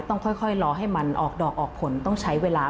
ต้องค่อยรอให้มันออกดอกออกผลต้องใช้เวลา